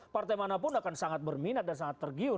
partai manapun akan sangat berminat dan sangat tergiur